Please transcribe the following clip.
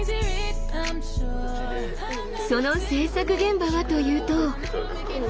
その制作現場はというと。